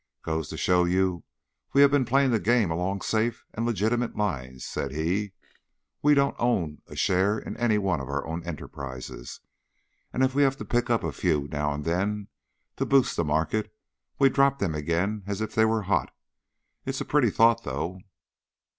"Goes to show you we have been playing the game along safe and legitimate lines," said he. "We don't own a share in any of our own enterprises, and if we have to pick up a few now and then to boost the market, we drop them again as if they were hot. It's a pretty thought, though.